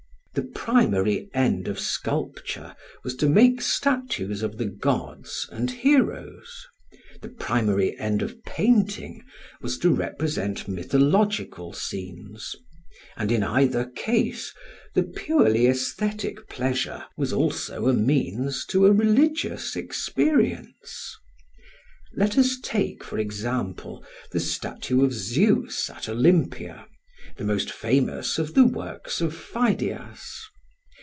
The primary end of sculpture was to make statues of the gods and heroes; the primary end of painting was to represent mythological scenes; and in either case the purely aesthetic pleasure was also a means to a religious experience. Let us take, for example, the statue of Zeus at Olympia, the most famous of the works of Pheidias.